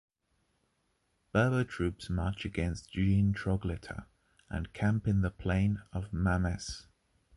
Berber troops march against Jean Troglita and camp in the plain of Mammes.